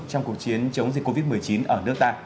trong cuộc chiến chống dịch covid một mươi chín ở nước ta